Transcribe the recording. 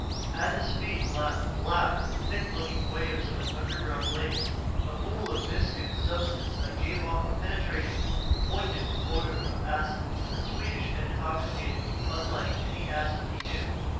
At his feet lapped black, thick looking waves of an underground lake, a pool of viscous substance that gave off a penetrating, poignant odor of acid, sweetish and intoxicating, unlike any acid he knew.